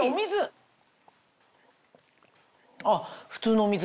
あっ普通のお水。